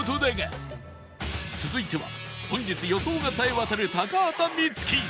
続いては本日予想がさえ渡る高畑充希